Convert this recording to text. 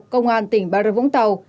công an tỉnh bà rực vũng tàu